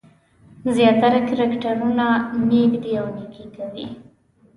زیاتره کرکټرونه نېک دي او نېکي کوي.